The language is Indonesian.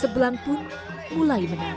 sebelang pun mulai menang